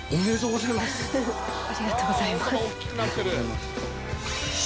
ありがとうございます。